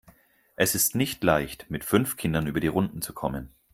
Es ist nicht leicht, mit fünf Kindern über die Runden zu kommen.